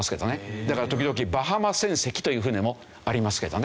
だから時々バハマ船籍という船もありますけどね。